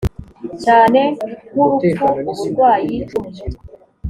cye nk urupfu uburwayi bwo mu mutwe